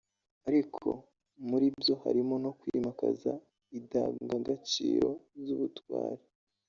ariko muri byo harimo no kwimakaza idangagaciro z’ubutwari”